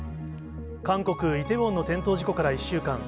韓国・イテウォンの転倒事故から１週間。